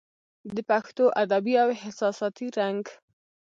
د پښتو ادبي او احساساتي رنګ